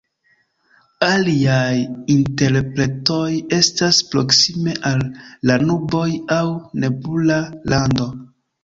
Aliaj interpretoj estas "proksime al la nuboj" aŭ "nebula lando".